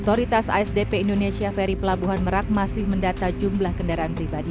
otoritas asdp indonesia ferry pelabuhan merak masih mendata jumlah kendaraan pribadi